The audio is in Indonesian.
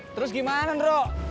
terus gimana bro